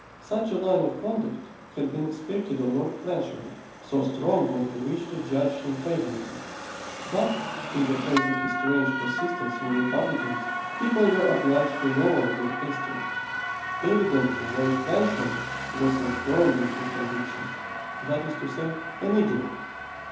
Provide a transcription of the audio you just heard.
Such a line of conduct had been expected of Lord Clancharlie, so strong was the wish to judge him favourably; but, in the face of his strange persistence in republicanism, people were obliged to lower their estimate. Evidently Lord Clancharlie was confirmed in his convictions that is to say, an idiot!